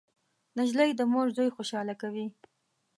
نجلۍ د مور زوی خوشحاله کوي.